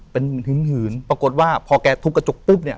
เป็นหืนปรากฏว่าพอแกทุบกระจกปุ๊บเนี่ย